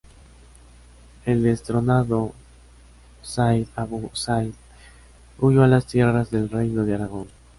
El destronado Zayd Abu Zayd huyó a las tierras del Reino de Aragón.